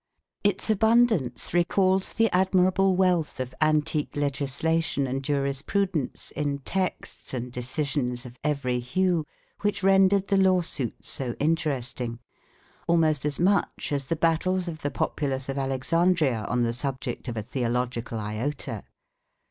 Its abundance recalls the admirable wealth of antique legislation and jurisprudence in texts and decisions of every hue which rendered the lawsuits so interesting, almost as much as the battles of the populace of Alexandria on the subject of a theological iota.